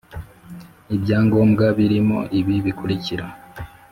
ibyangombwa birimo ibi bikurikira